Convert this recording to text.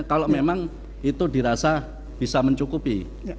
kalau memang itu dirasa bisa mencukupi